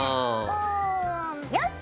うんよし！